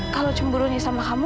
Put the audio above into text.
kalau cemburunya sama kamu